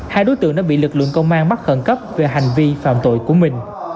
hai đối tượng đã bị lực lượng công an bắt khẩn cấp về hành vi phạm tội của mình